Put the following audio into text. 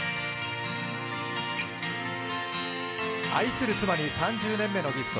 愛する妻に３０年目のＧＩＦＴ。